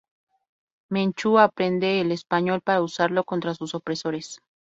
Menchú aprende el español para usarlo contra sus opresores.